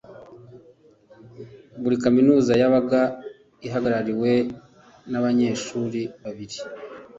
Buri Kaminuza yabaga ihagarariwe n’abanyeshuri babiri